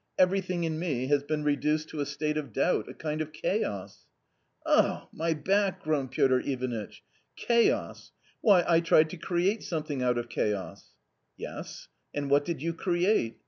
Everything in me has been reduced to a state of doubt, a kind of chaos !"" Ugh ! my back !" groaned Piotr Ivanitch. " Chaos !— why, I tried to create something out of chaos !" "Yes, and what did you create?